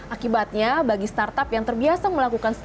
akibatnya bagi startup yang terbiasa melakukan startu